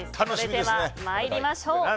では参りましょう。